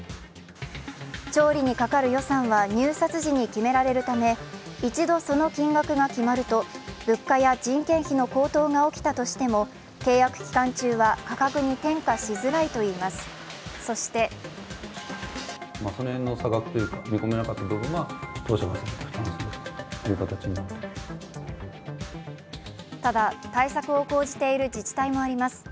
調理にかかる予算は入札時に決められるため一度その金額が決まると物価や人件費の高騰が起きたとしても契約期間中は価格に転嫁しづらいといいます、そしてただ、対策を講じている自治体もあります。